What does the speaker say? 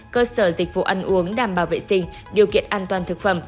cơ sở dịch vụ ăn uống đảm bảo vệ sinh điều kiện an toàn thực phẩm